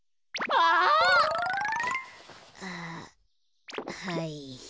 あはい。